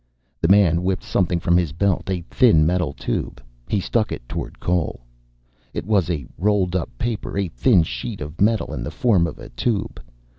The man whipped something from his belt, a thin metal tube. He stuck it toward Cole. It was a rolled up paper, a thin sheet of metal in the form of a tube.